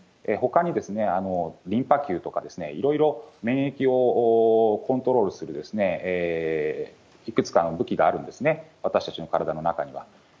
ほかにリンパ球とか、いろいろ免疫をコントロールするいくつかの武器があるんですね、私たちの体の中には。